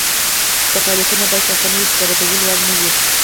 دا فعالیتونه باید په اسانۍ د ردولو وړ نه وي.